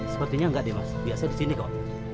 sepertinya enggak deh mas biasa disini kok